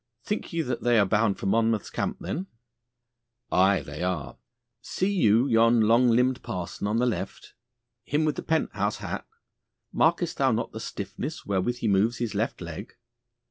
'Think ye that they are bound for Monmouth's camp, then?' 'Aye, are they. See you yon long limbed parson on the left him with the pent house hat. Markest thou not the stiffness wherewith he moves his left leg!